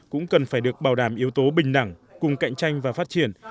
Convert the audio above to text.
cũng cần phải được bảo đảm yếu tố bình đẳng cùng cạnh tranh và phát triển